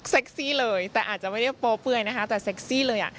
ซี่เลยแต่อาจจะไม่ได้โปรเฟื่อยนะคะแต่เซ็กซี่เลยอ่ะ